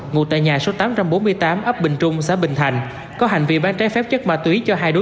ngụ tại nhà số tám trăm bốn mươi tám ấp bình trung xã bình thành để điều tra làm rõ về hành vi tàn trữ trái phép chất ma túy